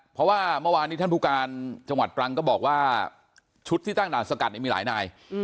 เพราะว่าเมื่อวานนี้ท่านผู้การจังหวัดตรังก็บอกว่าชุดที่ตั้งด่านสกัดมีหลายนาย